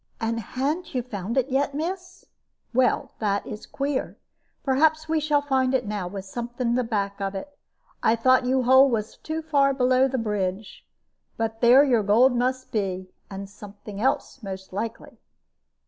"And ha'n't you found it yet, miss? Well, that is queer. Perhaps we shall find it now, with something to the back of it. I thought yon hole was too far below the bridge. But there your gold must be, and something else, most likely.